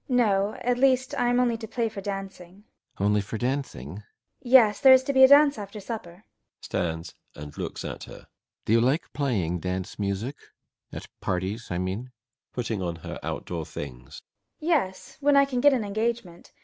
] No; at least I am only to play for dancing. BORKMAN. Only for dancing? FRIDA. Yes; there is to be a dance after supper. BORKMAN. [Stands and looks at her.] Do you like playing dance music? At parties, I mean? FRIDA. [Putting on her outdoor things.] Yes, when I can get an engagement.